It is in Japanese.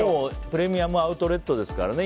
プレミアム・アウトレットですからね。